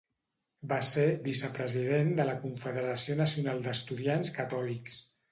Va ser vicepresident de la Confederació Nacional d'Estudiants Catòlics.